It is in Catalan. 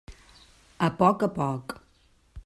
A poc a poc.